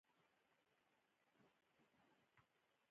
له دې مې وپوښتل: له خوړو سره شراب څښلای شم؟